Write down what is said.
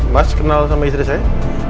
mas kenal sama istri saya